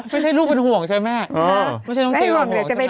ไม่ใช่ลูกเป็นห่วงใช่ไหมไม่ใช่น้องเกลียวเป็นห่วงใช่ไหม